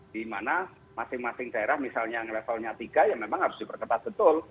di mana masing masing daerah misalnya yang levelnya tiga ya memang harus diperketat betul